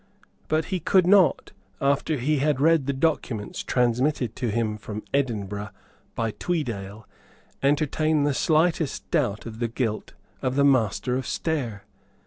But he could not, after he had read the documents transmitted to him from Edinburgh by Tweedale, entertain the slightest doubt of the guilt of the Master of Stair.